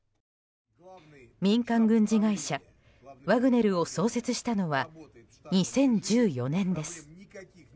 民間軍事会社ワグネルを創設したのは２０１４年です。